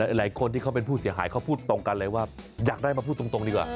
หลายคนที่เขาเป็นผู้เสียหายเขาพูดตรงกันเลยว่าอยากได้มาพูดตรงดีกว่า